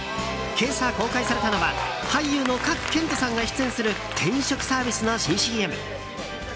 今朝公開されたのは俳優の賀来賢人さんが出演する転職サービスの新ＣＭ。